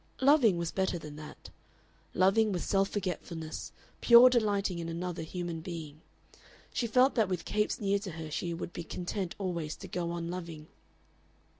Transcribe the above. Loving was better than that. Loving was self forgetfulness, pure delighting in another human being. She felt that with Capes near to her she would be content always to go on loving.